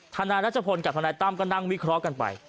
ทนายรัชพลกับทนายตั้มก็นั่งวิเคราะห์กันไป